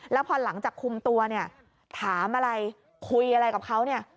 แล้วพอหลังจากคุมตัวถามอะไรคุยอะไรกับเขา